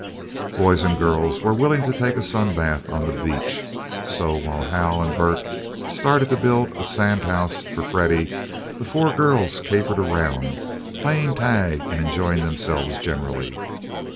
Boys and girls were willing to take a sun bath on the beach, so, while Hal and Bert started in to build a sand house for Freddie, the four girls capered around, playing tag and enjoying themselves generally.